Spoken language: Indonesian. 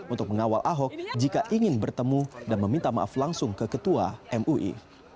untuk mengawal ahok jika ingin bertemu dan meminta maaf langsung ke ketua mui